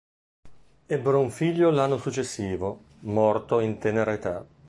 Ebbero un figlio l'anno successivo, morto in tenera età.